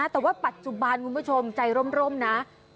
แต่ว่าปัจจุบันคุณผู้ชมใจร่มนะ